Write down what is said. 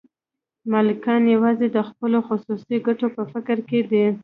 مالکان یوازې د خپلو خصوصي ګټو په فکر کې دي